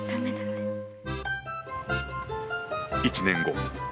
１年後。